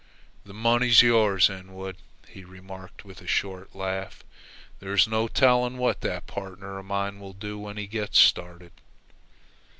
"The money's yours, Inwood," he remarked, with a short laugh. "There's no telling what that partner of mine will do when he gets started."